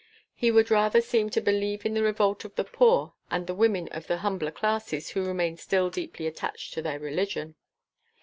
He would rather seem to believe in the revolt of the poor and the women of the humbler classes, who remain still deeply attached to their religion.